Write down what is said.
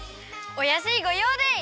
「おやすいごようでい」